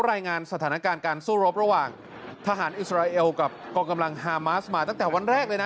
รายงานสถานการณ์การสู้รบระหว่างทหารอิสราเอลกับกองกำลังฮามาสมาตั้งแต่วันแรกเลยนะ